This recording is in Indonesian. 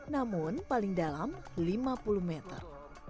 namun paling dalam lima puluh meter